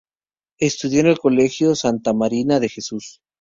Estudió en el Colegio Santa Mariana de Jesús.